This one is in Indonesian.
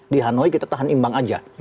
di hanoi kita tahan imbang aja